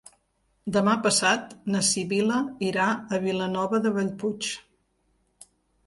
Demà passat na Sibil·la irà a Vilanova de Bellpuig.